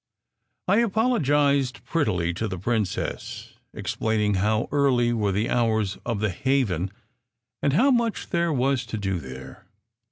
I apologized prettily to the princess, explaining how early were the hours of "The Haven," and how much there was to do there.